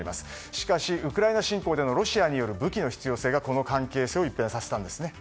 しかしウクライナ侵攻によるロシアの武器の必要性がこの関係性を一変させたんですね。